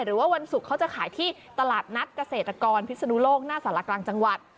วันศุกร์เขาจะขายที่ตลาดนัดเกษตรกรพิศนุโลกหน้าสารกลางจังหวัด